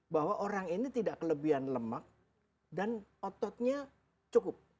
bahwa orang ini tidak kelebihan lemak dan ototnya cukup